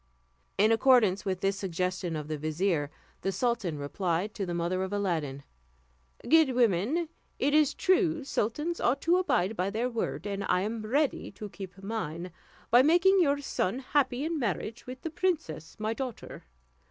In accordance with this suggestion of the vizier, the sultan replied to the mother of Aladdin: "Good woman, it is true sultans ought to abide by their word, and I am ready to keep mine, by making your son happy in marriage with the princess my daughter.